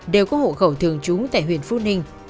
đều có hộ khẩu thường trú tại huyện phú ninh